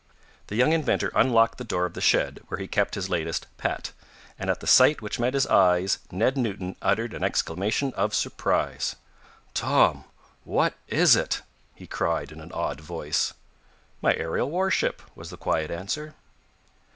The young inventor unlocked the door of the shed where he kept his latest "pet," and at the sight which met his eyes Ned Newton uttered an exclamation of surprise. "Tom, what is it?" he cried in an awed voice. "My aerial warship!" was the quiet answer.